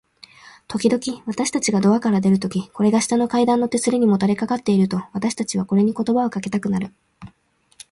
ときどき、私たちがドアから出るとき、これが下の階段の手すりにもたれかかっていると、私たちはこれに言葉をかけたくなる。